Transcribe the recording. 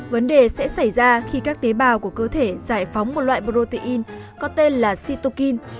vấn đề sẽ xảy ra khi các tế bào của cơ thể giải phóng một loại protein có tên là situkin